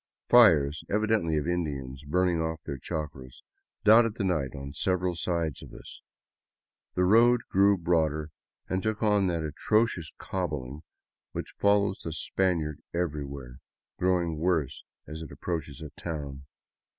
Fires, evidently of Indians burning off their chacras, dotted the night on several sides of us. The road grew broader and took on that atrocious cobbling which follows the Spaniard everywhere, growing worse as it approaches a town.